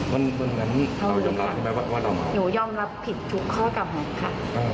หนูยอมรับผิดทุกข้อกำลังค่ะ